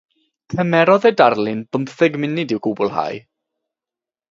Cymerodd y darlun bymtheg munud i'w gwblhau.